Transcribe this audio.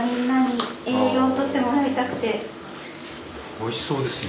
おいしそうですね。